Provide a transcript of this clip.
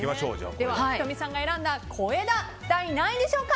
では仁美さんが選んだ小枝第何位でしょうか。